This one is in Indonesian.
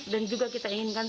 dan juga kita inginkan